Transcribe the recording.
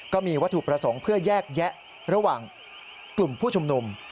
ก็มีวัตถุประสงค์เพื่อแยกแยะระหว่างกลุ่มผู้ชุมนุม